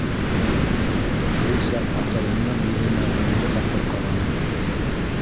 Шул саҡ атайымдың йөҙөнә һуңғы тапҡыр ҡараным.